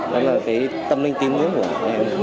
đó là cái tâm linh tín nguyên của em